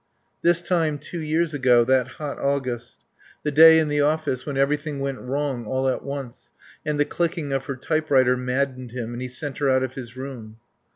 This time, two years ago, that hot August. The day in the office when everything went wrong all at once and the clicking of her typewriter maddened him and he sent her out of his room.